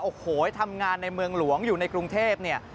โอ้โหทำงานในเมืองหลวงอยู่ในกรุงเทพเนี่ย